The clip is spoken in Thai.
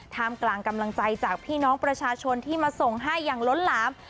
มกลางกำลังใจจากพี่น้องประชาชนที่มาส่งให้อย่างล้นหลาม